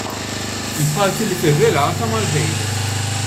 Il-parti li tirrelata mal-bail in.